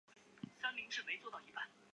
但周日请注意交通堵塞情况。